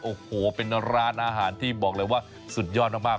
โอ้โหเป็นร้านอาหารที่บอกเลยว่าสุดยอดมาก